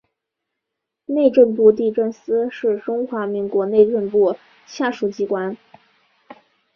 内政部地政司是中华民国内政部下属机关。